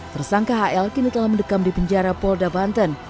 tersangka hl kini telah mendekam di penjara polda banten